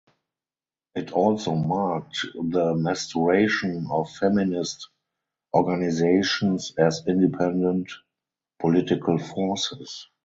It also marked the maturation of feminist organizations as independent political forces.